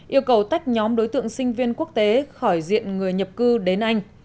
yêu cầu tách nhóm đối tượng sinh viên quốc tế khỏi diện người nhập cư đến anh